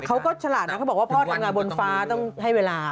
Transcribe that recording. ฉลาดนะเขาบอกว่าพ่อทำงานบนฟ้าต้องให้เวลา